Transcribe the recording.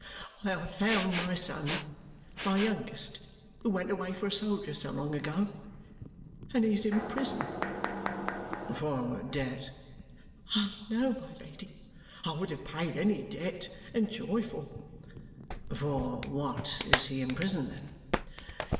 I have found my son my youngest, who went away for a soldier so long ago. And he is in prison." "For debt?" "Oh, no, my Lady; I would have paid any debt, and joyful." "For what is he in prison then?"